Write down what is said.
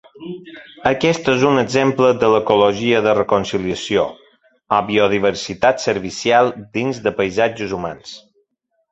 Aquest és un exemple de l'ecologia de reconciliació, o biodiversitat servicial dins de paisatges humans.